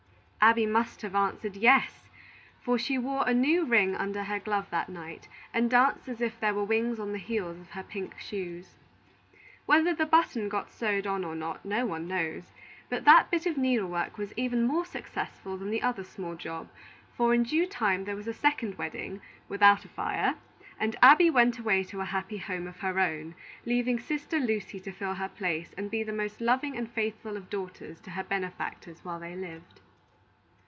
Abby must have answered, "Yes;" for she wore a new ring under her glove that night, and danced as if there were wings on the heels of her pink shoes. Whether the button ever got sewed on or not, no one knows; but that bit of needlework was even more successful than the other small job; for in due time there was a second wedding, without a fire, and Abby went away to a happy home of her own, leaving sister Lucy to fill her place and be the most loving and faithful of daughters to her benefactors while they lived.